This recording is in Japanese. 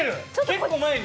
結構前に！